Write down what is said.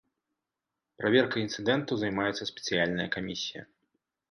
Праверкай інцыдэнту займаецца спецыяльная камісія.